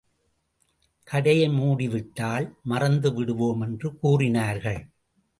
கடையை மூடிவிட்டால் மறந்து விடுவோம் என்று கூறினார்கள்.